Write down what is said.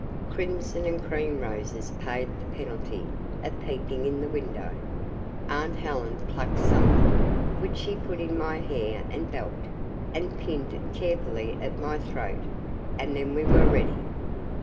Crimson and cream roses paid the penalty of peeping in the window. Aunt Helen plucked some of them, which she put in my hair and belt, and pinned carefully at my throat, and then we were ready.